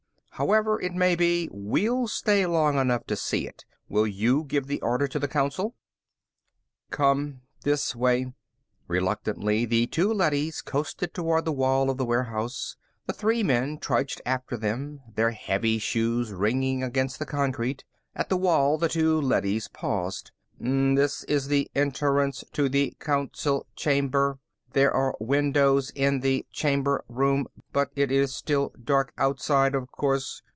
"However it may be, we'll stay long enough to see it. Will you give the order to the Council?" "Come this way." Reluctantly, the two leadys coasted toward the wall of the warehouse. The three men trudged after them, their heavy shoes ringing against the concrete. At the wall, the two leadys paused. "This is the entrance to the Council Chamber. There are windows in the Chamber Room, but it is still dark outside, of course.